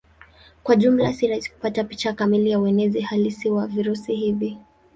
Kwa jumla si rahisi kupata picha kamili ya uenezi halisi wa virusi hivi.